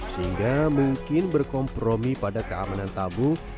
sehingga mungkin berkompromi pada keamanan tabung